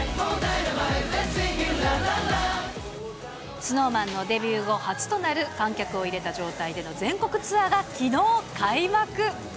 ＳｎｏｗＭａｎのデビュー後初となる観客を入れた状態での全国ツアーがきのう開幕。